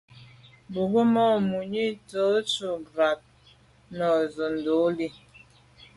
Bwɔ́ŋkə́ʼ mǎʼ mùní tɔ̌ tɔ́ bú trǎt nə̀ sǒ ndǒlî.